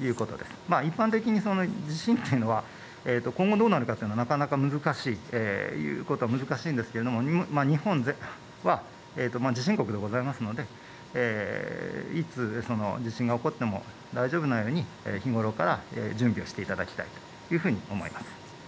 一般的に地震というのは今後どうなるかというのは言うことは難しいんですけれども、日本は地震国でありますのでいつ地震が起こっても大丈夫なように日頃から準備をしていただきたいというふうに思います。